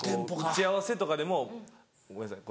打ち合わせとかでもごめんなさい